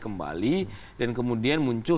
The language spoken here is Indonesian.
kembali dan kemudian muncul